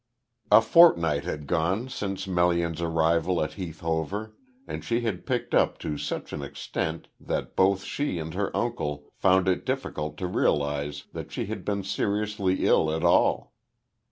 A fortnight had gone since Melian's arrival at Heath Hover, and she had picked up to such an extent that both she and her uncle found it difficult to realise that she had been seriously ill at all.